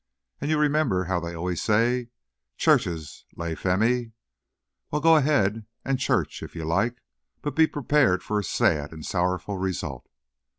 And you remember how they always say 'Churches lay femmy!' Well, go ahead and church, if you like. But be prepared for a sad and sorrowful result."